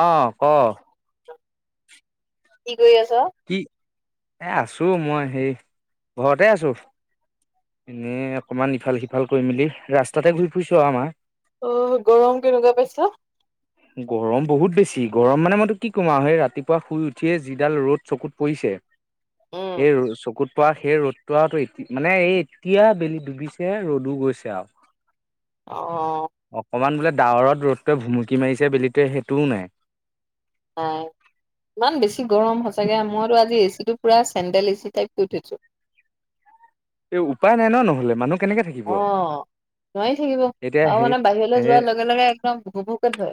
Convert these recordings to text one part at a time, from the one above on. অ ক কি কৰি আছ? কি এ আছো মই হে ঘৰতে আছোঁ এনে অকমান ইফাল সিফাল কৰি মেলি ৰাস্তাতে ঘূৰি ফুৰিছো আৰু আমাৰ অ', গৰম কেনেকুৱা পাইছ? গৰম বহুত বেছি গৰম মানে মই তোক কি কম আৰু সেই ৰাতিপুৱা শুই উঠিয়ে যিডাল ৰ'দ চকুত পৰিছে। উম, এই চকুত পৰা সেই ৰ'দটো আৰু এতি মানে এই এতিয়া বেলি ডুবিছে ৰ'দো গৈছে আৰু অ', অকমান বোলে ডাৱৰত ৰ'দ ভুমুকি মাৰিছে বেলিটোৱে সেইটোও নাই। আহ ইমান বেছি গৰম সঁচাকে মইতো আজি এচি টো পুৰা চেণ্ডেল এচি টাইপ গৈ উ থৈছো এই উপায় নাই ন নহলে মানুহ কেনেকে থাকিব অ, নোৱাৰি থাকিব এতিয়া আৰু সেই মানে বাহিৰলৈ এ যোৱাৰ লগে লগে একদম ভু ভুকে ধৰে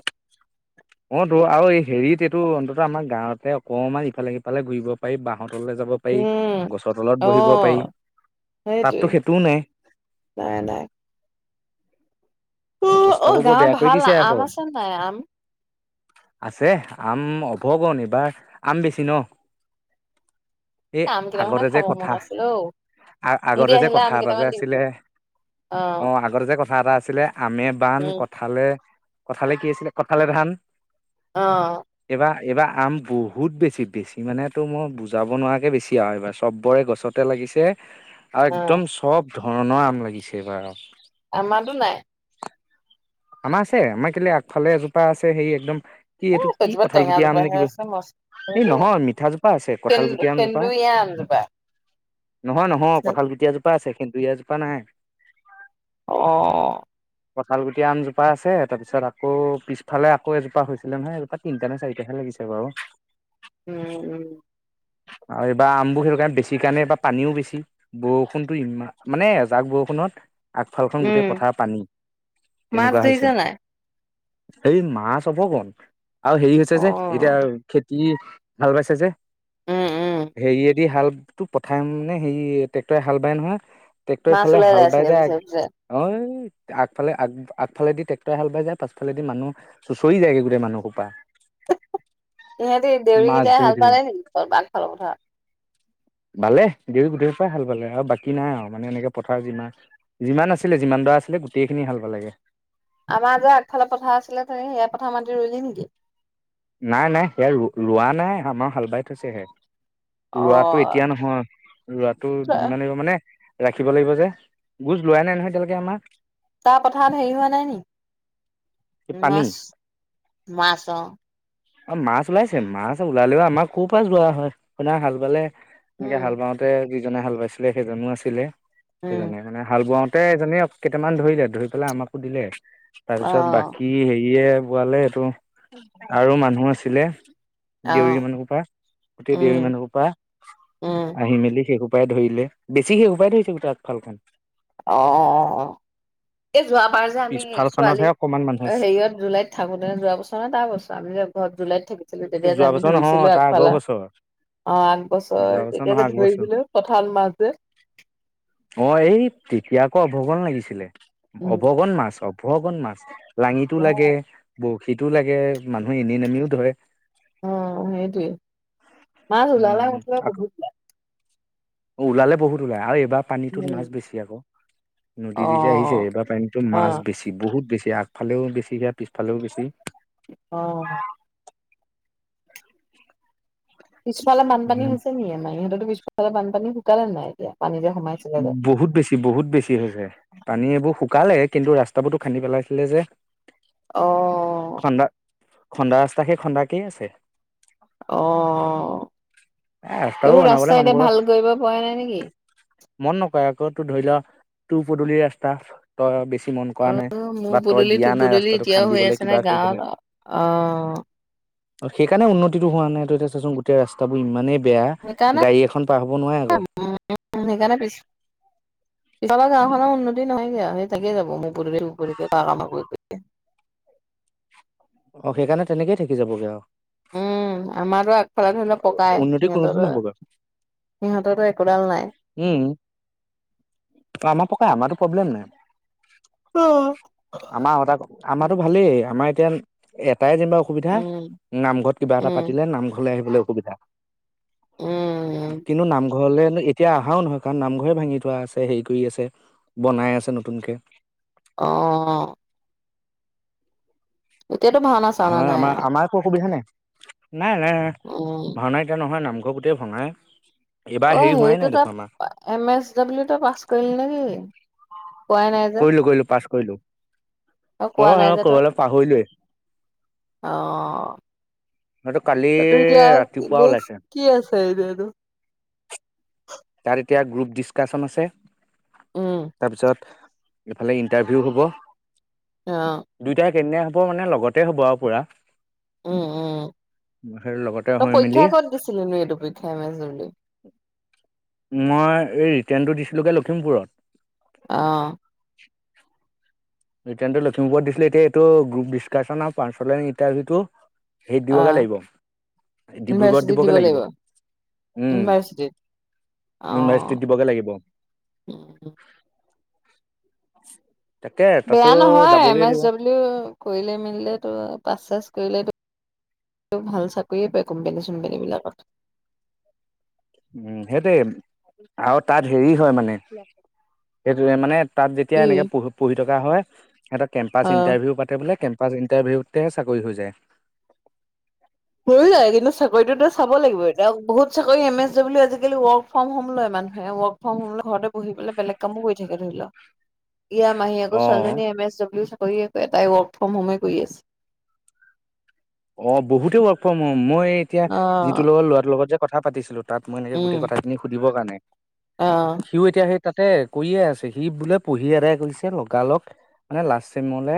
অ তো আৰু এই হেৰিত এইটো অন্ততঃ আমাৰ গাঁৱতে অকমান ইফালে সিফালে ঘূৰিব পাৰি বাহ হৰ [unintelligible] তললৈ যাব পাৰি উম, গছৰ তলত বহিব অ', পাৰি সেইটোৱে তাততো সেইটোও নাই নাই-নাই অৱস্থাবোৰ বৰ গাঁৱৰ বেয়া কৰি ভাল দিছে আম আকৌ আছে নাই আম? আছে আম অভগন এইবাৰ আম বেছি ন এ, আম কেইটামানে আগতে যে খাব মন কথা আছিল অ', আ সিহঁতি আগতে যে আহিলে কথা আম এটা যে কেইটামান দিবি। আছিলে। অ, আগতে যে কথা এটা আছিলে। আমে বান উম, কঠালে কঁঠালে কি আছিলে? কঁঠালে ধান। অ, এইবাৰ এইবাৰ আম বহুত বেছি বেছি মান তোৰ মই বুজাব নোৱাৰাকে বেছি আৰু এইবাৰ চবৰে গছতে লাগিছে। আৰু অ', একদম চব ধৰণৰ আম লাগিছে। এইবাৰ আমাৰতো নাই। আমাৰ আছে। আমাৰ কেলে আগফালে এজোপা আছে। সেই একদম কি এ, এইটো কি সেইজোপা কঁঠাল টেঙা গুটি আম জোপাহে নেকিব আছে মস্ত এই সেইটো নহয় মিঠা জোপা আছে কঁঠাল গুটি আমজোপা সেন্দুৰীয়া [inaudible] নহয়-নহয় কঁঠাল গুটি এজোপা আছে দুই এজোপা নাই। আহ, কঁঠাল গুটি আম এজোপা আছে। তাৰপিছত আকৌ, পিছফালে আকৌ, এজোপা হৈছিলে নহয় এজোপা তিনিটা নে চাৰিটাহে লাগিছে বাৰু উম-উম আৰু এইবাৰ আমবোৰ সেইটো কাৰণে বেছি কাৰণে এইবাৰ পানীও বেছি বৰষুণতো ইমান মানে এজাক ব ষত [unintelligible] আগফালখন উম, গোটেই পথাৰ পানী মাছ ধৰিচা নাই? হে মাছ হব কন [unintelligible] আৰু হেৰি হৈছে যে এতিয়া উম, খেতি কি ভাল পাইছা যে উম, হেৰিয়েদি ভাল টো পঠাই মানে হেৰি ট্ৰেক্টৰে হাল বাই নহয়। মাছ ট্ৰেক্টৰৰফালে ওলাই হাল বাই চাগে যায় পিছে পিছে। অঐ আগফালে আগ আগফালেদি ট্ৰেক্টৰ হাল বাই যায় পাছালেদি মানুহ চুঁচৰি যায়গৈ গোটেই মানুহ হোপা সিহঁতে মাছ দেউৰীকেইটাই ধৰি হাল ধৰি বালে নেকি বাঘ খালৰ [unintelligible] পথাৰ বালে দেউৰী গোটেই হোপাই হাল বালে, আৰু বাকী নাই আৰু মানে এনেকে পথাৰ যিমান যিমান আছিলে যিমান আছিলে গোটেই খিনি হাল বালেগে আমাৰ যে আগফালাৰ পথাৰ আছিলে যে সেয়া পথাৰ মাতি ৰুলি নেকি? নাই-নাই সেয়া ৰ ৰোৱা নাই আমাৰ হাল বাই থৈছেহে। ৰোৱাটো অ', এতিয়া নহয় ৰোৱাটো দুদিনমান মানে ৰাখিব লাগিব যে গোজ লোৱাই নাই, নহয় এতিয়ালৈকে আমাক তাৰ পথাত হেৰি হোৱা নাই নেকি পানী মাছ মাছ অ অ মাছ ওলাইছে মাছ ওলালেও আমাৰ খুৰ [unintelligible] প যোৱা হয় সনা হাল বালে এনেকে উম, হাল বাওঁতে যিজনে হাল বাইছিলে সেইজনো আছিলে উম, সেইজনে মানে হাল বওঁত গোতে এজনীয়ে কেইটামান ধৰিলে ধৰি পেলাই আমাকো দিলে তাৰ পিছত অ', বাকী হেৰিয়ে বোৱালে সেইটো আৰু মানুহ আছিলে দেউৰী অ', মানুহৰ পৰা গোটেই উম, দেউৰী মানুহৰ পৰা উম, আহি মেলি সেই উপপাই [unintelligible] ধৰিলে বেছি সে উপপাই [unintelligible] ধৰিছে আকফালখন অ এই যোৱাবাৰ যে আমি ছোৱালী পিছফালখনতহে অকমান মানুহ অ আছে হেৰিয়ত জুলাইত থাকোঁতেনে যোৱা বছৰ নে তাৰ বছৰ আমি যে ঘৰত জুলাইত থাকো তেতিয়া যে যোৱা আমি বছৰ নহয় ধৰিছিলো তাৰ আগৰ আগফালা বছৰ অ আঠ যোৱা বছৰ তেতিয়া নহয় যে আগৰ বছৰ ধৰিছিলো পথাৰত মাছ যে অ এই তেতিয়া আকৌ অভগন লাগিছিলে উম অভগন মাছ অভগন মাছ লাঙিতো অ লাগে বৰশীতো লাগে মানুহে এনে নমিও ধৰে অ সেইটোৱে মাছ ওলালে উঠে আকৌ বহুত ওলালে বহুত ওলায় আৰু এইবাৰ পানীটোত উম মাছ বেছি আকৌ অ নদী দি যে আহিছে এইবাৰ পানীতো অ মাছ বেছি বহুত বেছি। এই আগফালেও বেছি যায় পিছফালেও বেছি। অ পিছফালে বানপানী হৈছেনি আমাৰ ইহঁততো পিছফালে শুকালে নাই এতিয়া? পানী যে সোমাইছিলে যে বহুত বেছি বহুত বেছি হৈ যায় পানী এইবোৰ শুকালে কিন্তু ৰাস্তাবোৰো খান্দি পেলাইছিলে যে অ খন্দা খন্দা ৰাস্তা সেই খন্দাকেই আছে অ এ ৰাস্তাও এইবোৰ বনাবলৈ ৰাস্তা এতিয়া মানুহবোৰকে ভাল কৰিব পৰা নাই নেকি মন নকৰে আকৌ তোৰ ধৰি লোৱা তোৰ পদূলি ৰাস্তা তই বেছি মন অ কৰা নাই মোৰ বা তই পদূলি দিয়া তোৰ নাই পদূলি ৰাস্তাটো এতিয়াও হৈ খান্দিবলৈ আছে নে কিবা গাঁৱত কৰিবলৈ অ আৰু সেইকাৰণে উন্নতিটো হোৱা নাই ত এতিয়া চাচোন গোটেই ৰাস্তাবোৰ ইমানেই বেয়া সেইকাৰণে গাড়ী এখন পব নোৱাৰে আক' উম আমাৰ গাঁওখনৰ উন্নতি নহয়গে আউ সেই তাকে যাব মো [unintelligible] অ সেইকাৰণে তেনেকেই থাকি যাবগে আৰু। উম আমাতো আগফালে ধৰিল পকাই, উন্নতি সিহঁতৰ কোনোদিন হ'বগৈ সিহঁততো একোডাল নাই। অ আমাৰ পকাই আমাৰো। পব্লেম নাই, উম আমাৰ আমাৰো ভালেই আমাৰ এতিয়া এটাই যেনিবা অসুবিধা নামঘৰত কিবা এটা উম পাতিলে নামঘৰলৈ আহিবলৈ অসুবিধা। উম কিনো নাম। ঘৰলে এতিয়া অহাও নহয় কাৰণ নামঘৰে ভাঙি থোৱা আছে হেৰি কৰি আছে বনাই আছে নতুনকে। অ এতিয়াতো ভাওনা চাওনা হয় নাই আমাৰ আৰু আমাৰ একো অসুবিধা নাই। নাই নাই উম ভাওনা এতিয়া নহয় নামঘৰ গোটেই ভাঙাই অ হেৰিটো তাত এম এছ ডাব্লিউ ত পাছ কৰিল নেকি কোৱাই নাই যে কৰিলো কৰিলো পাছ কৰিলো অ অ ক'বলৈ পাহৰিলোয়ে। আহ। মইতো কালি ৰাতিপুৱা ওলাইছে [unintelligible] তাত এতিয়া গ্ৰুপ ডিছকাশচন আছে। উম তাৰপিছত এইফালে ইন্টাৰভিউ হ'ব। অ দুইটাই একেদিনাই হ'ব মানে লগতে হ'ব আৰু পুৰা। উম উম সেই লগতে তই হৈ মেলি পৰীক্ষা কত দিছিল নো এইটো পৰীক্ষা ইমান জল্ডি। মই এই ৰিটাৰ্ণটো দিছিলোঁগে লখিমপুৰত। অহ। ৰিটাৰ্ণটো লখিমপুৰত দিছিলোে এতিয়া এইটো গ্ৰুপ ডিচকাশচন আৰু পাশ ইণ্টাৰভিউটো হেৰিত দিবগে অ', লাগিব। ডিব্ৰুগড়ত ইউনিভাৰ্চিটিত দিব দিবগে লাগিব উম। ইউনিভাৰ্চিটিত ইউনিভাৰ্চিটি অ', দিবগে লাগিব। ত বেয়া নহয় এম এছ ডব্লিউ কৰিলে মেলিলে তো পাচেছ কৰিলেটো তেওঁ ভাল চাকৰিয়ে পায় কোম্পানী চোম্পানী বিলাকত উম সেইটোৱেই আৰু তাত হেৰি হয় মানে সেইটোৱে মানে তাত যেতিয়া কি এনেকে পঢ পঢ়ি থকা হয় সিহত কেম্পচ অ', ইণ্টাৰভিউ পাতে বোলে কেম্প ফাষ্ট ইন্টাৰভিউতেহে চাকৰি হৈ যায়। হৈ যায় কিন্তু চাকৰিতটোতো চাব লাগিব এতিয়া বহুত চাকৰি এম এছ ডলিউ আজিকালি ৱৰ্ক ফ্ৰম হোম লয় মানে। মান ৱৰ্ক ফ্ৰম হম ঘৰতে বহি পেলাই বেলেগ কামো কৰি থাকে ধৰি লও। ইয়াৰ অ মাহীয়েকৰ ছোৱালীজনীয়ে এম এছ ডব্লিউ চাকৰি চাকৰি কৰে। তাই ৱৰ্ক ফ্ৰম হোমেই কৰি আছে। অ বহুতে ৱৰ্ক মই এতিয়া অ', যিটোৰ লগত ল'ৰাটোৰ লগত যে কথা পাতিছিলো তাত মই এনেকে গোটেই কথাখিনি সুধিবৰ কাৰনেই আহ তাতে কৰিয়ে আছে সি বোলে পঢ়ি আদায় কৰিছে লগালগ মানে লাষ্ট টাইমলে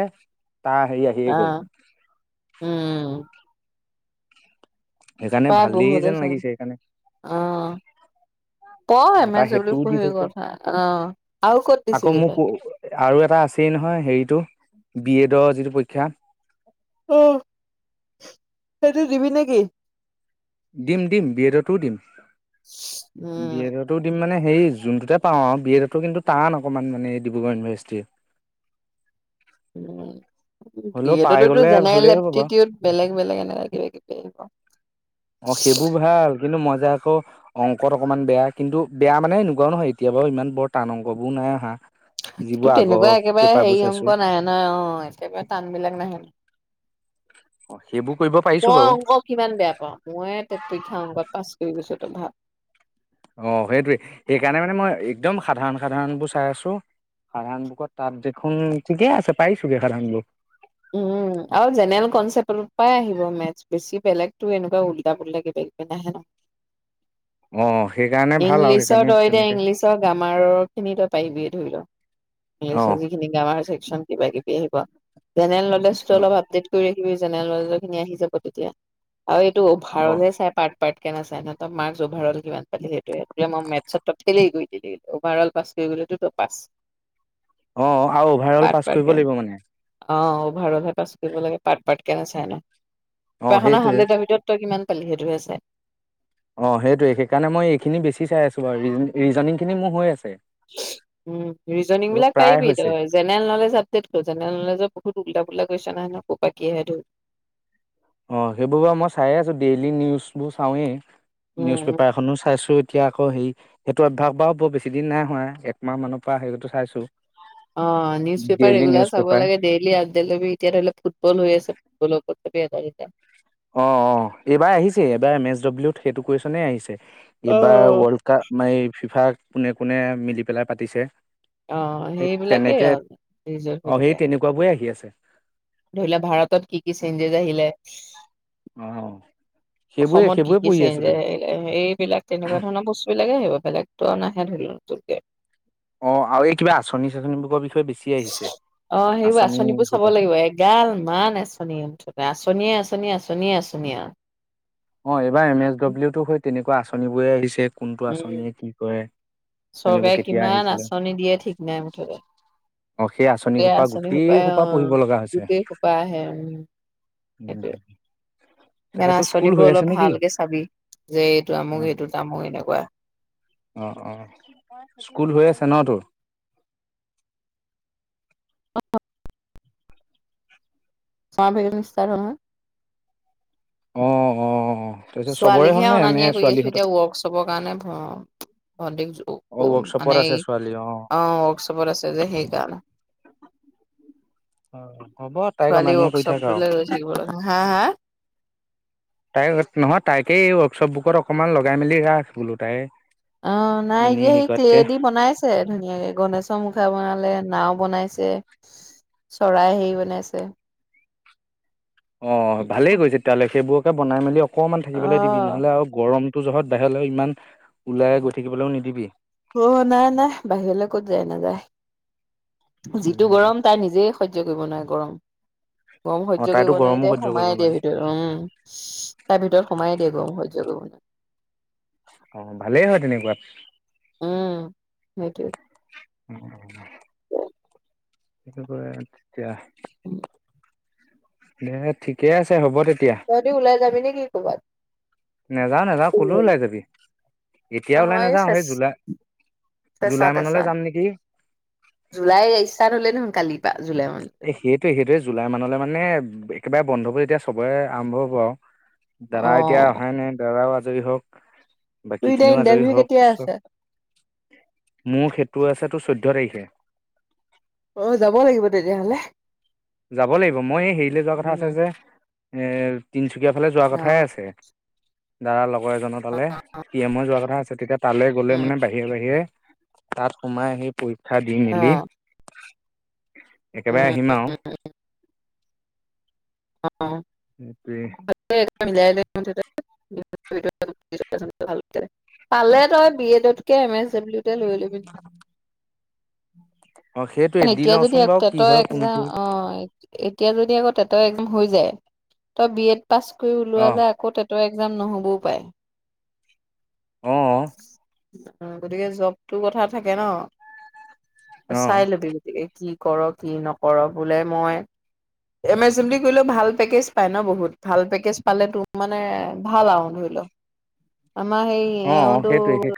আহ উম সেইকাৰণে প্ৰায় ভালেই বহুতে যেন চাম লাগিছে অ', পঢ় সেইকাৰণে এম এটা এছ ডব্লিউ সেইটোও দি পঢ়ি থৈছোন কথা অ', আৰু ক'ত আকৌ দিছিলি তই? মোক আৰু এটা আছেই নহয় হেৰিতটো বি এডৰ যিটো পৰীক্ষা। আহ সেইটো দিবি নেকি। দিম দিম বিয়েডতোও দিম উম, বিয়েডতো দিম মানে হেৰি যোনটোতে পাওঁ আৰু বি এডতো কিন্তু টান অকনমান মানে ডিব্ৰুগড় ইউনিভাৰ্চিটি। উম হ'লেও পাই বিএডতো গ'লে জেনেল ভালেই হ'ব বাৰু এপটিটিউড বেলেগ বেলেগ এনে কিবা কিবি আহিব। অ সেইবোৰ ভাল। কিন্তু মই যে আকৌ অংকত অকণমান বেয়া কিন্তু বেয়া মানে এনেকোৱাও নহয় এতিয়া বাৰু ইমান বৰ টান অংকবোৰ নাই অহা তো যিবোৰ আগৰ তেনেকুৱা একেবাৰে পেপাৰবোৰ হেৰি চাইছো অংক নাহে নহয় অ একেবাৰে টান বিলাক নাহে অ [unintelligible] সেইবোৰ কৰিব পাৰিছো মই বাৰু অংক কিমান বেয়া পাওঁ মই ত পৰীক্ষা অংকত পাছ কৰি গৈছো। তটো ভাল অ সেইটোৱে সেইকাৰণে মানে মই একদম সাধাৰণ সাধাৰণ বোৰ চাই আছো সাধাৰণ বুকত তাত দেখোন ঠিকে আছে পাই যাবি সাধাৰণ বুক উম উম আৰু জেনেৰেল কনচেপ্ট পৰাই আহিব মেথছ বেছি বেলেগতো এনেকুৱা উল্টা পুলটা কিবা কিবি নাহে নহয় অ', সেইকাৰণে [unintelligible] ভাল আৰু ইংলিছত সেইকাৰণে তই এতিয়া তেনেকে ইংলিছৰ গ্ৰামাৰৰ খিনি তই পাৰিবি অ', ইংলিছৰ যিখিনি গ্ৰামাৰ চেকন [unintelligible] কিবা কিবি আহিব জেনেৰেল নলেজটো অলপ আপডেট কৰি ৰাখিবি জেনেৰেল নলেজৰ খিনি আহি যাব তেতিয়া আৰু ত অভাৰলে চাই পাট পাত কে নাচাই নহ মাৰ্ অভাৰল কিমান পালি ত এতিয়া মই মেথছত তটেলি ফেলেই [unintelligible] গৈ দিল অভাৰ অল পাছ কৰি গ'লেতো ত পাছ অ আৰু অভাৰ অল পাৰ্ট পাছ কৰিব পাৰ্টকে লাগিব মানে অ অভাৰঅলহে পাছ কৰিব লাগে পাট-পাৰ্ট কেনে চাই নাই পা অ', [unintelligible] সেইটোৱে হাড্ৰেডৰ ভিতৰত কিমান সেইটোহে চাই অ সেইটোৱে সেইকাৰণে মই এইখিনি বেছি চাই আছো বাৰু ৰিজনিং খিনি মোৰ হৈ আছে [unintelligible] উম ৰিজনিং সেইবোৰ বিলাক প্ৰায় পাৰিবি হৈছে তই জেনেৰেল নলেজ আপডে [unintelligible] জেনেৰেল নলেজৰ বহুতল বোলে গৈছে নহয় কৰ পৰা কি পাকিহে ধই [unintelligible] অ সেইবোৰ বাৰু মই চাইে আছো ডেইলি নিউজ বোৰ চাওঁৱেই নিউজ উম, পেপাৰ এখনো চাইছো এতিয়া আক হেৰি সেইটো অভ্যাস বাৰোঁ বৰ বেছি দিন নাই হোৱা একমাহ মানৰ পৰা হেৰি চাইছো। অ নিউজ পেপাৰ ৰেগুলাৰ চাব পেপাৰ লাগে ডেইলি আপডেত এতিয়া ধৰি লও ফুটবল হৈ আছে ফুব ও বে তাৰ অ অ এইবাৰ আহিছে এইবাৰ এম এছ ডব্লিউত সেইটো কুৱেশ্যনে আহিছে। এইবাৰ অ', ৱৰ্ল্ড কাপ ম ফিফাৰ কোনে কোনে মিলি পেলাই পাতিছে। অ, সেই সেইবিলাকেই তেনেকে আৰু ৰিজাল্ট হৈ অ থাকে সেই তেনেকুৱা বোৰে আহি আছে ধৰি লোৱা ভাৰতত কি কি চেঞ্জেছ আহিলে অ সেইবোৰে অসমত কি সেইবোৰে কি পঢ়ি চেঞ্চ আছিলো আহে এইবিলাক তেনেকুৱা ধৰণৰ বস্তু বিলাকে আহিব। বেলেগতটো নাহে ধল তে [unintelligible] অঁ আৰু এই কিবা আঁচনি চাচনিবোৰৰ বিষয়েছি আহিছে। অ সেইবোৰ আঁচনি আঁচনিবোৰ চাব এসোপা লাগিব এগাল মান আচনি মুঠতে আচনিয়ে আচনি আচনি, আচনি, আচনি আও। অ এইবাৰ এম এছ ডব্লিউতো হয় তেনেকুৱা আঁচন বোৰে আহিছে। কোনটো উম, আঁচনিয়ে কি কৰে আঁচনিবোৰ চৰকাৰে কেতিয়া কিমান আহিছিলে। আঁচনি দিয়ে ঠিক নাই মুঠতে। অ সেই আঁচনি গোটেই সোপা গোটেই সোপাই অ সোপা পহিব লগা হৈছে। গোটেই সোপা আহে উ আচনিবোৰ অলপ ভালকে চাবি যে এইটো অ আমুক এইটো তামু এনেকুৱা। অ অ স্কুল হৈ আছে ন তোৰ। চমাভিকেছন ষ্টাৰ্ট হ'ল নহয়। অঁ অঁ ছোৱালীকহে অনা নিয় কৰি আছো এতিয়া ৱৰ্কশ্বপৰ কাৰণে অ ৱৰ্কশ্বপত মানে আছে ছোৱালী অ ৱৰ্কশ্বপত আছে যে সেইকাৰনে হ'ব [unintelligible] তাইক অনা ছোৱালী নিয়া কৰি থাক ৱৰ্কশপ আৰু ত ৰৈ হা হা তাই নহয় তাকেই ৱৰ্কশ্বপ বুৰত অকণমান লগাই মেলি ৰা আছে বোলো তাই অ নাই এনেই এটিয়া শিকোৱাতকে সেই কদি [unintelligible] বনাইছে ধুনীয়াকে গণেশৰ মুখা বনালে নাও বনাইছে চৰাই হেৰি বনাইছে অ ভালেই কৰিছে তেতিয়াহ'লে সেইবোৰকে বনাই মেলি অকমান থাকিবলৈ দিবি, অ নহ'লে আৰু গৰম তোৰ জহত বাহিৰলৈ ইমান ওলাই গৈ থাকিবলৈও নিদিবি। অ নাই নাই বাহিৰলৈ ক'ত যায় নাযায়, যিটো গৰম তাই নিজে সহ্য কৰিব নোৱাৰে গৰম। গৰম অঁ সহ্য তাইতো কৰিব নোৱাৰি গৰমো দে সহ্য কৰিব সোমাই দিয়ে নোৱাৰে ভিতৰত উম তাৰ ভিতৰত সোমাই দিয়ে গৰম সহ াব অ ভালেই হয় তেনেকুৱাত। উম সেইটো। উ এইটোক িকয [unintelligible] এ ঠিকে আছে হ'ব দে। তি ওলাই যাবি নে কি ক'ৰবাত? নাযাও নাযাওঁ কলেও ওলাই যাবি এতিয়া ওলাই নহয় নাযাওঁ চেচ সেই জোলাই জুলাই মানলৈ যাম নেকি। জুুলাই ষ্টাত হ'ল দেখোন কালি। এ সেইটোৱে সেইটয়ে জুলাই মানলৈ মানে একেবাৰে বন্ধবোৰ যেতিয়া চবেই আৰম্ভ হ'ব আৰু অ দাদা এতিয়া অহাই নাই দাদাও আজৰি হওক, তোৰ এতিয়া বাকখিনিও আজৰি ইণ্টাৰভিউ হওক, কেতিয়া আছে চব- মোৰ সেতু আছে তো চৈধ্য তাৰিখে। যে হলে। যাব লাগিব মই হেৰিলৈ যোৱা কথা আছে যে এ তিন চুকীয়া ফালে যোৱা অ কথাই আছে দাদাৰ লগৰ এজন তালে কি মই যোৱা কথা কথা আছে। তেতিয়া তালৈ গ'লে উম মানে বাহিৰে বাহিৰে তাত সোমাই আহি পৰীক্ষা দি অ মেলি একেবাৰে উম আহিম আৰু অ সেইটো মিলাই [unintelligible] পালে তই বি এডতকে এম এছ লৈ লবি অ সেইটোৱে কাৰ দি এতিয়া যদি লওঁচোন এক বাৰু কি তেটৰ হয় একজাম কোনটো অ এতিয়া যদি আকৌ তেতৰ এক্জাম হৈ যায় তই বি এড পাছ কৰি অ ওলোৱালে আকৌ এক্সাম নহ'বও পাৰে। অ গতিকে জবটোৰ কথা থাকে ন অ চাই ল'বি গতিকে কি কৰ কি নকৰ বোলে মই এমেজন দি কলও ভাল পেকেজ পায় ন বহুত ভাল পেকেজ পালে তো মানে ভাল আৰু ধৰি লও আম সেই অ অ এওঁটো সেইটোৱে